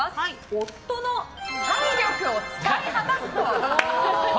夫の体力を使い果たすと。